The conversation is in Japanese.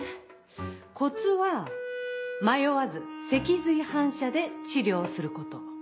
コツは迷わず脊髄反射で治療すること。